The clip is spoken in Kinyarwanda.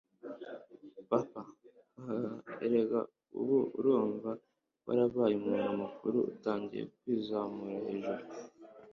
papa hahah! erega ubu urumva warabaye umuntu mukuru utangiye kwizamura hejuru